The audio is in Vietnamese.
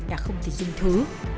đã không thể dùng thứ